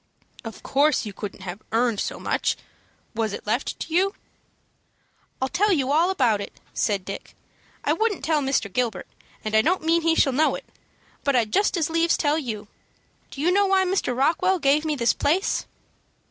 "Of course you couldn't have earned so much. Was it left to you?" "I'll tell you all about it," said Dick. "I wouldn't tell Mr. Gilbert, and I don't mean he shall know it, but I'd just as lieves tell you. Do you know why Mr. Rockwell gave me this place?"